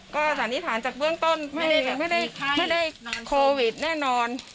ก็สันนิษฐานจากเบื้องต้นไม่ได้โควิดแน่นอน